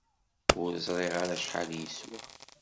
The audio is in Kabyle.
Ur ẓriɣ ara acḥal i yeswa.